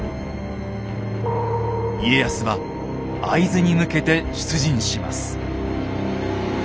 家康は会津に向けて出陣します。